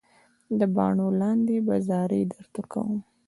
د باڼو لاندې به زارۍ درته کوم.